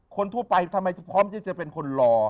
คนทั่วไปทำไมพร้อมที่จะเป็นคนรอ